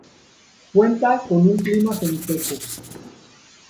Cuanta con un clima semiseco.